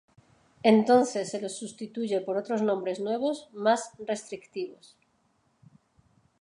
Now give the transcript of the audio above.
Entonces se los sustituye por otros nombres nuevos, más restrictivos.